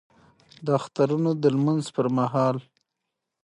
د اخترونو د لمونځ په مهال کې